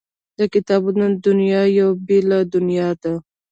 د کتابونو دنیا یوه بېله دنیا ده